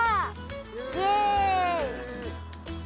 イエイ！